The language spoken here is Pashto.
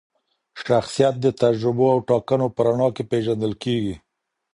شخصیت د تجربو او ټاکنو په رڼا کي پیژندل کیږي.